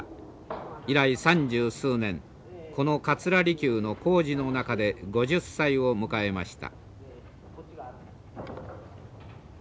以来三十数年この桂離宮の工事の中で５０歳を迎えました。